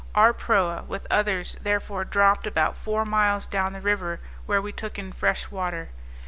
Our proa, with others, therefore dropped about four miles down the river, where we took in fresh water.